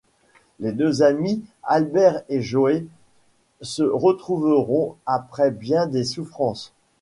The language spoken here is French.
Les deux amis, Albert et Joey se retrouveront après bien des souffrances.